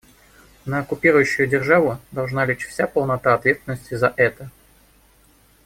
На оккупирующую державу должна лечь вся полнота ответственности за это.